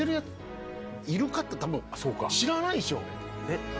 知らないでしょう？